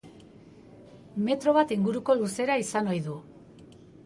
Metro bat inguruko luzera izan ohi du.